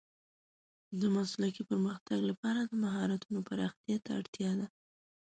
د مسلکي پرمختګ لپاره د مهارتونو پراختیا ته اړتیا ده.